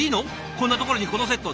こんなところにこのセット。